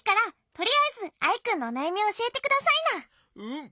とりあえずアイくんのおなやみをおしえてくださいな。